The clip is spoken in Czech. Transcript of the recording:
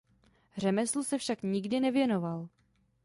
Řemeslu se však nikdy nevěnoval.